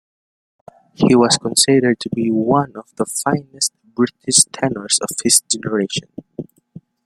He was considered to be one of the finest British tenors of his generation.